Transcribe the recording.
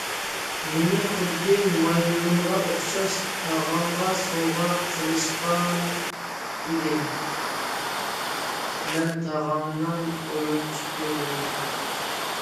مېنى خۇددى مايمۇنغا ئوخشاش تاغاڭغا سوۋغا قىلىشقان ئىدى، مەن تاغاڭنىڭ ئويۇنچۇقى بولدۇم.